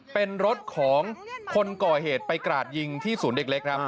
เป็นรถของคนก่อเหตุไปกราดยิงที่ศูนย์เด็กเล็กครับ